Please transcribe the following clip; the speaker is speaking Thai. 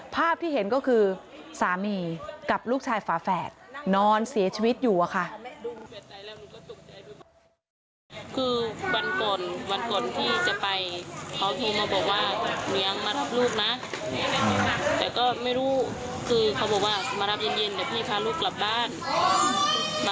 ภาพที่เห็นก็คือสามีกับลูกชายฝาแฝดนอนเสียชีวิตอยู่อะค่ะ